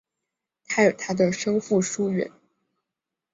他与他的生父疏远。